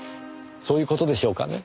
そういう事でしょうかね？